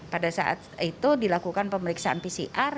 pada saat itu dilakukan pemeriksaan pcr